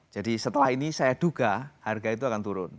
jadi setelah ini saya duga harga itu akan turun